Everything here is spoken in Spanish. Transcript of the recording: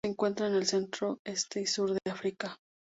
Se encuentra en el centro, este y sur de África.